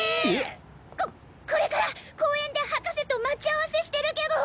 こっこれから公園で博士と待ち合わせしてるけど。